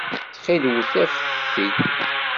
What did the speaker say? Ttxil-wet, afet-t-id.